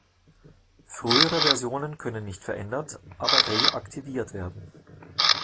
Frühere Versionen können nicht verändert, aber reaktiviert werden